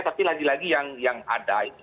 tapi lagi lagi yang ada itu